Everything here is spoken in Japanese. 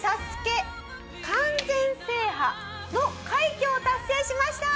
『ＳＡＳＵＫＥ』完全制覇の快挙を達成しました！